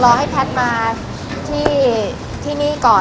รอให้แพทย์มาที่นี่ก่อน